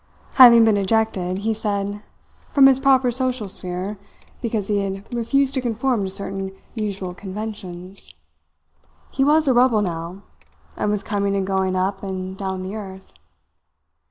Having been ejected, he said, from his proper social sphere because he had refused to conform to certain usual conventions, he was a rebel now, and was coming and going up and down the earth.